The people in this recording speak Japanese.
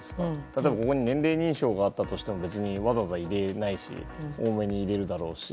例えばここに年齢認証があったとしてもわざわざ入れないし多めに入れるだろうし。